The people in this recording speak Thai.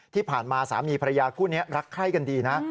ที่ผ่านมาสามีภรรยาคู่นี้รักใคร่กันดีนะ